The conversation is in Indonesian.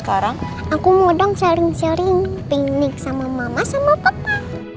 aku mau dong sering sering piknik sama mama sama papa